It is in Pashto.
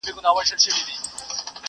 د سپیني خولې دي څونه ټک سو،